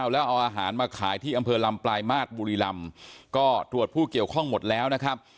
แล้วเอาอาหารมาขายที่อำเภอลำปลายมาตรบุรีลำก็ตรวจผู้เกี่ยวข้องหมดแล้วนะครับ